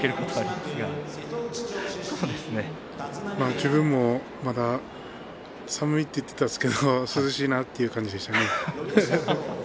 自分も寒いと言っていましたけど涼しいなという感じでしたね。